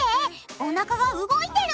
おなかが動いてる！